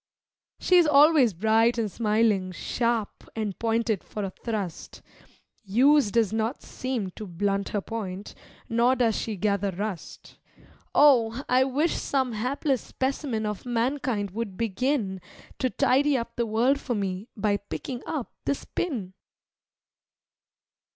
She is always bright and smiling, sharp and pointed for a thrust. Use does not seem to blunt her point, nor does she gather rust, Oh! I wish some hapless specimen of mankind would begin To tidy up the world for me, by picking up this pin!